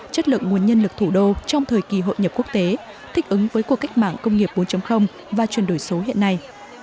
chất lượng nguồn nhân lực thủ đô trong thời kỳ hội nhập quốc tế thích ứng với cuộc cách mạng công nghiệp bốn và chuyển đổi số hiện nay